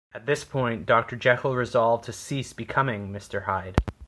At this point, Doctor Jekyll resolved to cease becoming Mr. Hyde.